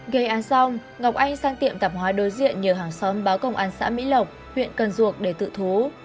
gây án xong ngọc anh sang tiệm tạp hóa đối diện nhờ hàng xóm báo công an xã mỹ lộc huyện cần duộc để tự thú